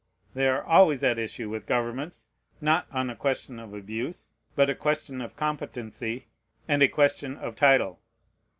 They are always at issue with governments, not on a question of abuse, but a question of competency and a question of title.